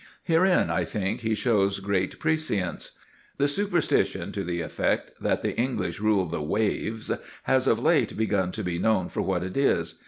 Herein I think he shows great prescience. The superstition to the effect that the English rule the waves has of late begun to be known for what it is.